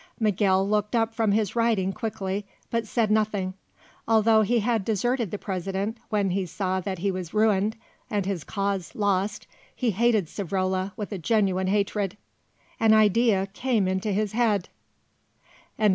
Miguel looked up from his writing quickly, but said nothing. Although he had deserted the President when he saw that he was ruined and his cause lost, he hated Savrola with a genuine hatred. An idea came into his head.